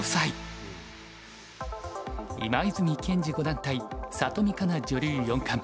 今泉健司五段対里見香奈女流四冠。